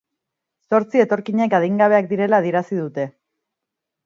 Zortzi etorkinek adingabeak direla adierazi dute.